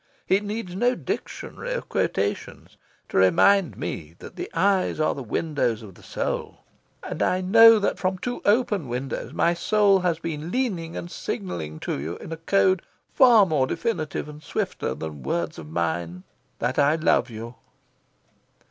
It needs no dictionary of quotations to remind me that the eyes are the windows of the soul. And I know that from two open windows my soul has been leaning and signalling to you, in a code far more definitive and swifter than words of mine, that I love you."